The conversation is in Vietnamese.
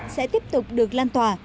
sẽ tiếp tục được lan tỏa